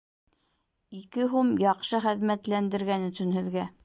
Ике һум яҡшы хәҙмәтләндергән өсөн һеҙгә